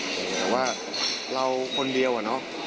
แต่ว่าเราคนเดียวอะเนาะ